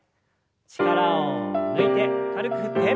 力を抜いて軽く振って。